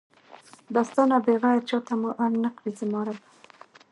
دا ستا نه بغیر چاته مو اړ نکړې زما ربه!